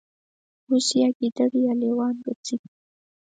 اوس یا ګیدړې یا لېوان ګرځي